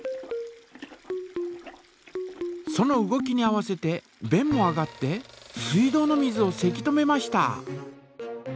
その動きに合わせてべんも上がって水道の水をせき止めました！